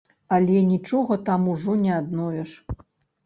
Але нічога там ужо не адновіш.